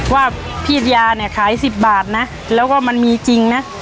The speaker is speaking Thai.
ว่าพี่ชายาเนี่ยขาย๑๐บาทนะแล้วก็มันมีจริงนะ